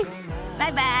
バイバイ。